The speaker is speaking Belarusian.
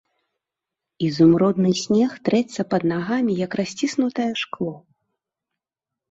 Ізумрудны снег трэцца пад нагамі, як расціснутае шкло.